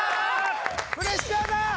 プレッシャーだ！